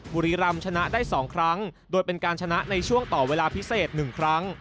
บุรีรำชนะได้๒ครั้งโดยเป็นการชนะในช่วงต่อเวลาพิเศษ๑ครั้ง